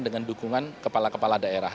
dengan dukungan kepala kepala daerah